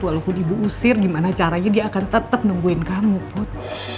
kalo ibu usir gimana caranya dia akan tetep nungguin kamu put